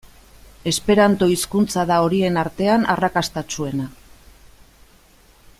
Esperanto hizkuntza da horien artean arrakastatsuena.